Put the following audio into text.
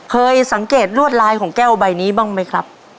เคยสังเกตลวดลายของแก้วใบนี้บ้างไหมครับ